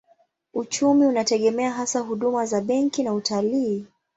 Uchumi unategemea hasa huduma za benki na utalii.